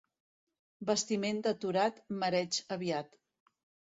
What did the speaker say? Bastiment deturat, mareig aviat.